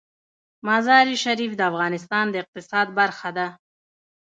مزارشریف د افغانستان د اقتصاد برخه ده.